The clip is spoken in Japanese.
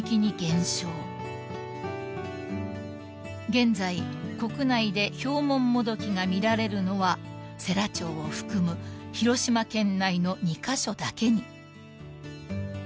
［現在国内でヒョウモンモドキが見られるのは世羅町を含む広島県内の２カ所だけに］